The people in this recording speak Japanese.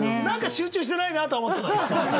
何か集中してないなとは。